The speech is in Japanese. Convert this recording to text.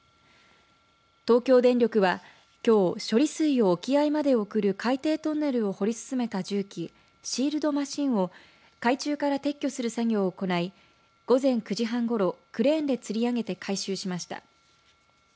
東京電力はきょう処理水を沖合まで送る海底トンネルを掘り進めた重機シールドマシンを海中から撤去する作業を行い午前９時半ごろクレーンでつり上げて回収しました。